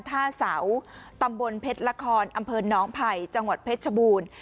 ท่าเสาตำบลเพชรละครอำเภอน้องไผ่จังหวัดเพชรชบูรณ์